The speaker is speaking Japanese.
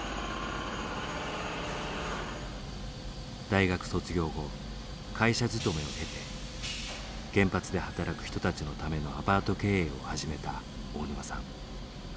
大学卒業後会社勤めを経て原発で働く人たちのためのアパート経営を始めた大沼さん。